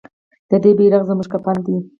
د دې بیرغ زموږ کفن دی؟